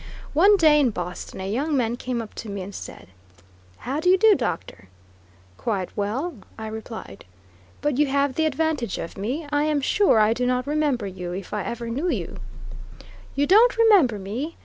One day in Boston a young man came up to me and said: "How do you do, Doctor?" "Quite well," I replied; "but you have the advantage of me; I am sure I do not remember you, if I ever knew you." "You don't remember me!